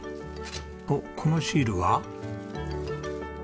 おっこのシールは？